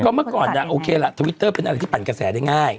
เมื่อก่อนโอเคล่ะทวิตเตอร์เป็นอะไรที่ปั่นกระแสได้ง่าย